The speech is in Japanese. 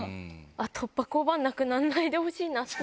突破交番、なくなんないでほしいな。